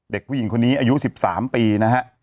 เด็กผู้หญิงคนนี้อายุ๑๓ปีนะฮะ